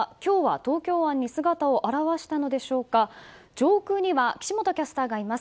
上空には岸本キャスターがいます。